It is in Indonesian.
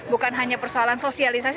bukan hanya persoalan sosialisasi